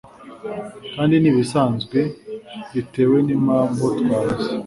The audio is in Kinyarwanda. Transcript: kandi ni ibisanzwe bitewe n'impamvu twavuze